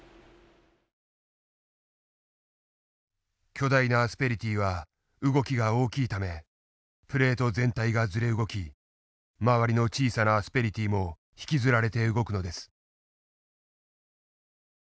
巨大なアスペリティーは動きが大きいためプレート全体がずれ動き周りの小さなアスペリティーも引きずられて動くのです。